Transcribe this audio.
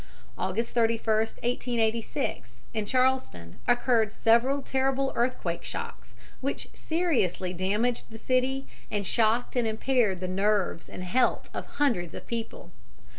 August 31, 1886, in Charleston, occurred several terrible earthquake shocks, which seriously damaged the city and shocked and impaired the nerves and health of hundreds of people.